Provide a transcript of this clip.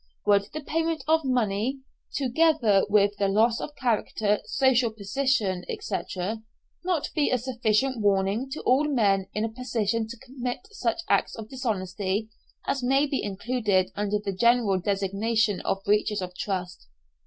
Would the payment of money, together with the loss of character, social position, &c., not be a sufficient warning to all men in a position to commit such acts of dishonesty as may be included under the general designation of breaches of trust?